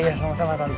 iya sama sama tante